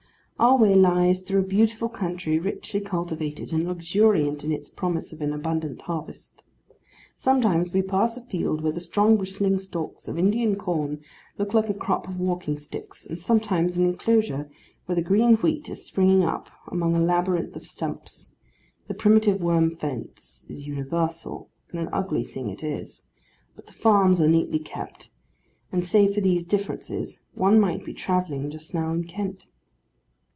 Our way lies through a beautiful country, richly cultivated, and luxuriant in its promise of an abundant harvest. Sometimes we pass a field where the strong bristling stalks of Indian corn look like a crop of walking sticks, and sometimes an enclosure where the green wheat is springing up among a labyrinth of stumps; the primitive worm fence is universal, and an ugly thing it is; but the farms are neatly kept, and, save for these differences, one might be travelling just now in Kent.